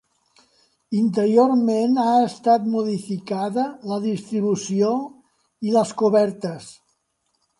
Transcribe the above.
Interiorment ha estat modificada la distribució i les cobertes.